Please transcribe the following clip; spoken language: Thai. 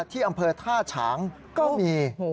ที่อำเภอท่าฉางก็มี